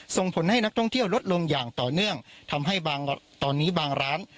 ส่งผลให้นักท่องเที่ยวลดลงอย่างต่อเนื่องทำให้บางตอนนี้บางร้าน